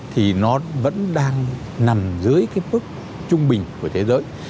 thì nó vẫn đang nằm dưới cái mức trung bình của thế giới